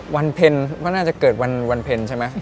วันเพ็ญก็น่าจะเกิดวันเพ็ญใช่ไหม